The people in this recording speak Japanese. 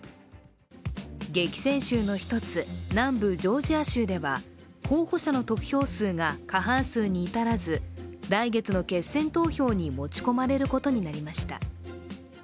激戦州の１つ、南部ジョージア州では、候補者の得票数が過半数に至らず来月の決選投票に持ち込まれることになりました。